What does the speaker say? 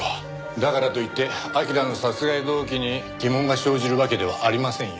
だからといって明良の殺害動機に疑問が生じるわけではありませんよ。